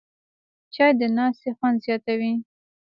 چای د ناستې خوند زیاتوي